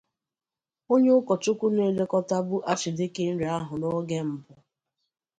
onye ụkọchukwu na-elekọtabụ Archdeaconry ahụ n'oge mbụ